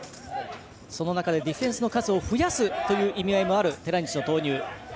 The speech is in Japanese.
その中でディフェンスの数を増やすという意味合いもある寺西の投入。